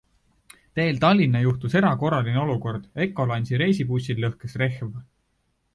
Teel Tallinna juhtus erakorraline olukord - Ecolines'i reisibussil lõhkes rehv.